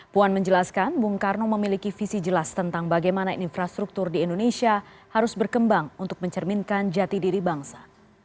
puan menjelaskan bung karno memiliki visi jelas tentang bagaimana infrastruktur di indonesia harus berkembang untuk mencerminkan jati diri bangsa